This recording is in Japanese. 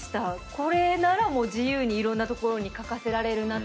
これなら自由にいろんな所にかかせられるなと。